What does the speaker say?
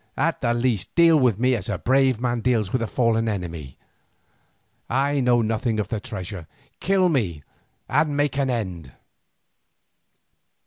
At the least deal with me as a brave man deals with a fallen enemy. I know nothing of the treasure; kill me and make an end."